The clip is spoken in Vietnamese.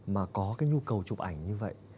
mà có cái nhu cầu chụp ảnh như vậy